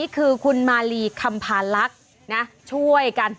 คือคุณมาลีคำพาลักษณ์ช่วยกัน